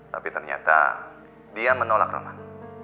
tapi ternyata dia menolak rahmat